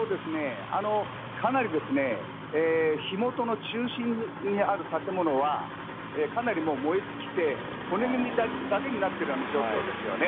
かなり火元の中心にある建物は、かなり燃え尽きて、骨組みだけになっているような状況ですよね。